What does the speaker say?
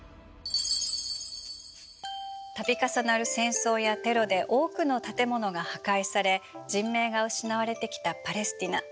度重なる戦争やテロで多くの建物が破壊され人命が失われてきたパレスティナ。